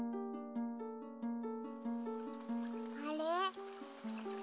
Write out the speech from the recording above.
あれ？